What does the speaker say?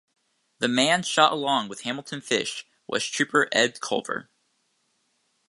The man shot along with Hamilton Fish was Trooper Ed Culver.